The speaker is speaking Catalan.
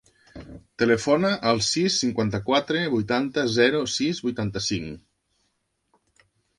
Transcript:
Telefona al sis, cinquanta-quatre, vuitanta, zero, sis, vuitanta-cinc.